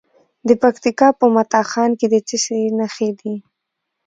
د پکتیکا په متا خان کې د څه شي نښې دي؟